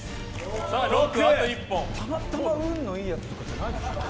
たまたま運のいいやつとかじゃないでしょ。